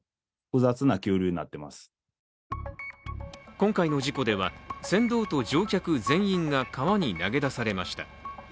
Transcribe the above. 今回の事故では、船頭と乗客全員が川に投げ出されました。